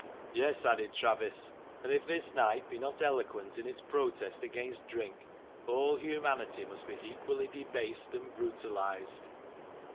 ''Yes," added Travis, "and if this night be not eloquent in its protest against drink, all humanity must be equally debased and brutalised."